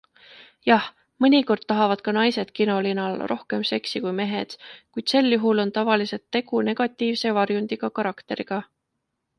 Jah, mõnikord tahavad ka naised kinolinal rohkem seksi kui mehed, kuid sel juhul on tavaliselt tegu negatiivse varjundiga karakteriga.